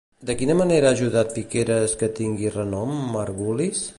De quina manera ha ajudat Piqueras que tingui renom Margulis?